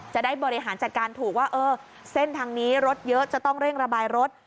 จะได้บริหารจัดการถูกว่าเออเส้นทางนี้รถเยอะจะต้องเร่งระบายรถ